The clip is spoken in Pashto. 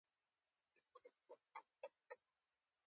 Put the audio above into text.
دغه خطرناک او وژونکي څیزونه له سترګو پټ دي.